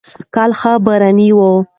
کال ښه باراني و.